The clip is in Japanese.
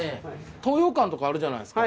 東洋館とかあるじゃないですか。